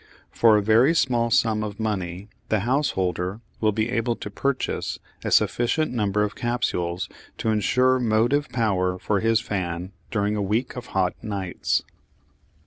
For a very small sum of money the householder will be able to purchase a sufficient number of capsules to ensure motive power for his fan during a week of hot nights.